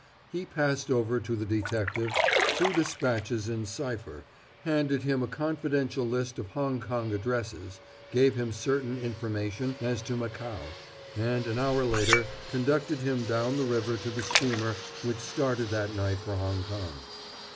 He passed over to the detective two despatches in cipher, handed him a confidential list of Hong Kong addresses, gave him certain information as to Macao, and an hour later conducted him down the river to the steamer which started that night for Hong Kong.